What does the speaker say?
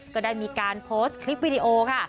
ก็ได้มีการโพสต์คลิปวิดีโอค่ะ